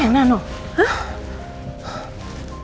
kamu kenapa mimpi sena